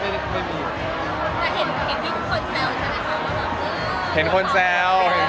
แต่เฮ็ดมี้คนแซวใช่ไหมครับ